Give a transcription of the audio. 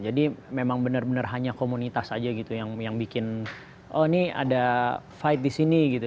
jadi memang benar benar hanya komunitas aja gitu yang bikin oh ini ada fight di sini gitu